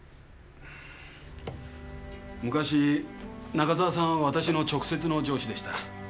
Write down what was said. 昔中澤さんは私の直接の上司でした。